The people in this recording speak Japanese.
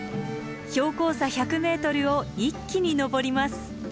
標高差１００ｍを一気に登ります。